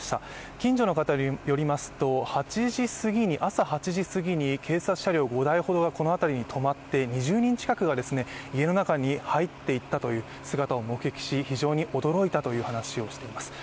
近所の方によりますと朝８時すぎに警察車両５台ほどがこの辺りに泊まって、２０人近くが家の中に入っていたという姿を目撃し、非常に驚いたという話をしています。